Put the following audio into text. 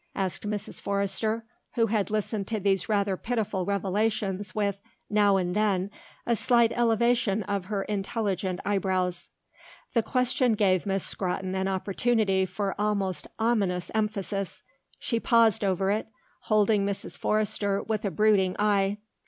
asked Mrs. Forrester, who had listened to these rather pitiful revelations with, now and then, a slight elevation of her intelligent eyebrows. The question gave Miss Scrotton an opportunity for almost ominous emphasis; she paused over it, holding Mrs. Forrester with a brooding eye.